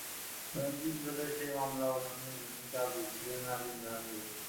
কয়েক দিন ধরে সেই মামলা ওঠানোর জন্য চাপ দিচ্ছিলেন নাজিম জাহাঙ্গীর।